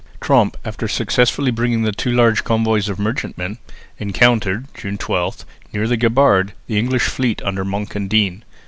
Tromp, after successfully bringing in two large convoys of merchantmen, encountered (June 12), near the Gabbard, the English fleet under Monk and Deane.